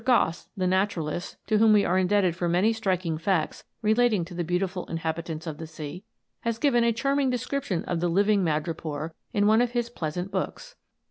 Gosse, the naturalist, to whom we are in debted for many striking facts relating to the beau tiful inhabitants of the sea, has given a charming description of the living madrepore in one of his pleasant books.